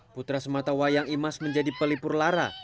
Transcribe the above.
putra semata wayang imas menjadi pelipur lara